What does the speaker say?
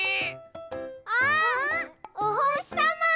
あっおほしさま！